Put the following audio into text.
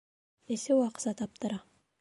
Эсеү аҡса таптыра